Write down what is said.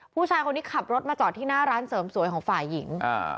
ผู้ชายคนนี้ขับรถมาจอดที่หน้าร้านเสริมสวยของฝ่ายหญิง